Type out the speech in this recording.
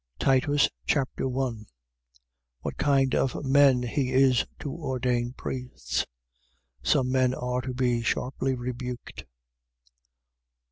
Titus Chapter 1 What kind of men he is to ordain priests. Some men are to be sharply rebuked.